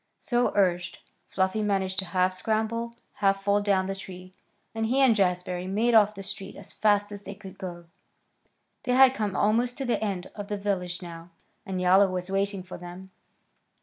So urged, Fluffy managed to half scramble, half fall down the tree, and he and Jazbury made off down the street as fast as they could go. They had come almost to the end of the village now, and Yowler was waiting for them.